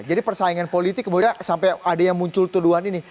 jadi persaingan politik kemudian sampai ada yang muncul tuduhan ini